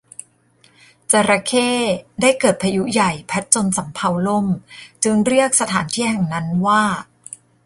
จระเข้ได้เกิดพายุใหญ่พัดจนสำเภาล่มจึงเรียกสถานที่แห่งนั้นว่า